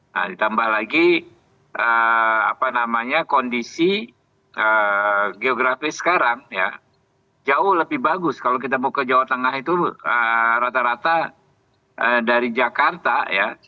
nah ditambah lagi kondisi geografi sekarang ya jauh lebih bagus kalau kita mau ke jawa tengah itu rata rata dari jakarta ya